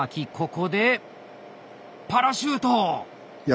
ここでパラシュート。